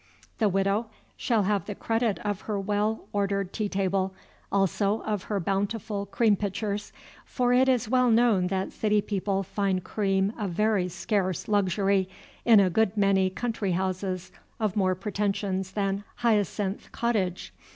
The Widow shall have the credit of her well ordered tea table, also of her bountiful cream pitchers; for it is well known that city people find cream a very scarce luxury in a good many country houses of more pretensions than Hyacinth Cottage.